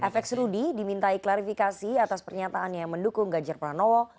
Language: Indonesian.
fx rudi dimintai klarifikasi atas pernyataannya yang mendukung ganjar pranowo